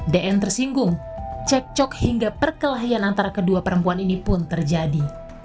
dn tersinggung cek cok hingga perkelahian antara kedua perempuan ini pun terjadi